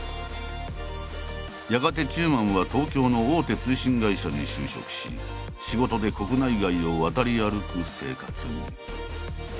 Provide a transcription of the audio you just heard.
やがて中馬は東京の大手通信会社に就職し仕事で国内外を渡り歩く生活に。